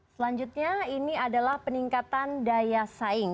selanjutnya ini adalah peningkatan daya saing